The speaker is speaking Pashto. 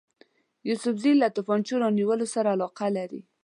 یوسفزي له توپنچو رانیولو سره علاقه لري.